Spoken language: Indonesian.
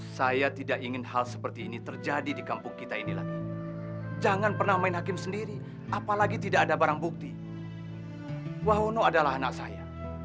sampai jumpa di video selanjutnya